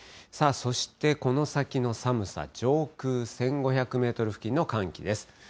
そして、この先の寒さ、上空１５００メートル付近の寒気です。